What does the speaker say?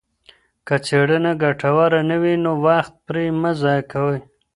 که څېړنه ګټوره نه وي نو وخت پرې مه ضایع کوئ.